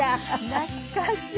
懐かしい。